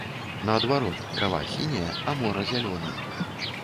Наадварот, трава сіняя, а мора зялёнае.